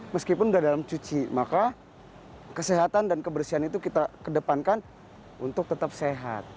meskipun sudah dalam cuci maka kesehatan dan kebersihan itu kita kedepankan untuk tetap sehat